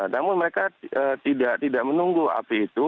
namun mereka tidak menunggu api itu